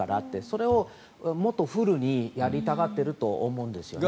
それをもっとフルにやりたがっていると思うんですね